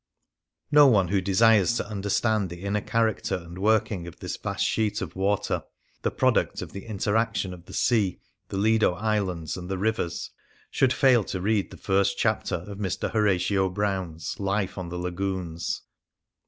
No one who desires to understand the inner character and working of this vast sheet of water, the product of the interaction of the sea, the Lido islands and the rivers, should fail to read the first chapter of Mr. Horatio Brown's " Life on the Lagoons."